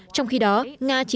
trong khi đó nga chỉ trích mỹ